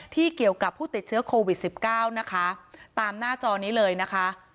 เกี่ยวกับผู้ติดเชื้อโควิดสิบเก้านะคะตามหน้าจอนี้เลยนะคะ